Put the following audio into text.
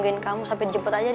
coba ke ministir sem skal di